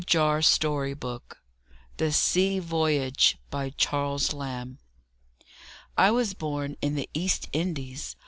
THE SEA VOYAGE. CHARLES LAMB. I was born in the East Indies.